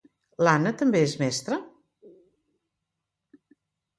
L'Ana també és mestra?